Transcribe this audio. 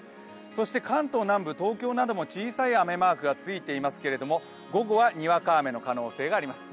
そして関東南部、東京なども小さい雨マークがついていますけど午後はにわか雨の可能性があります。